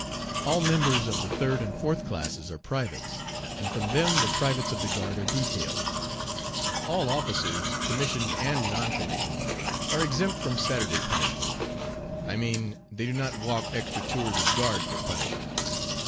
All members of the third and fourth classes are privates, and from them the privates of the guard are detailed. All officers, commissioned and non commissioned, are exempt from "Saturday punishment." I mean they do not walk extra tours of guard for punishment.